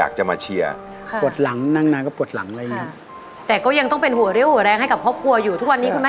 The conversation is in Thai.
เคยร้องเล่นตลกมาก